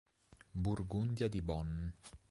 Burgundia di Bonn.